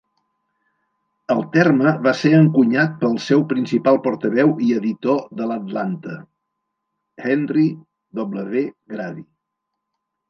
El terme va ser encunyat pel seu principal portaveu i editor de l'Atlanta, Henry W. Grady.